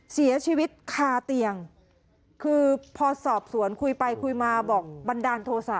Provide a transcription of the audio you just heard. เสียชีวิตคาเตียงคือพอสอบสวนคุยไปคุยมาบอกบันดาลโทษะ